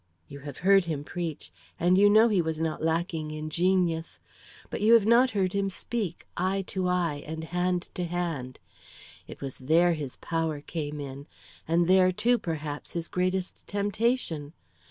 "You have heard him preach, and you know he was not lacking in genius; but you have not heard him speak, eye to eye and hand to hand. It was there his power came in, and there, too, perhaps, his greatest temptation.